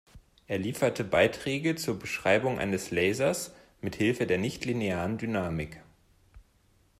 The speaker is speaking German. Er lieferte Beiträge zur Beschreibung eines Lasers mit Hilfe der nichtlinearen Dynamik.